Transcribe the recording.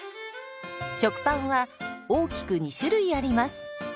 食パンは大きく２種類あります。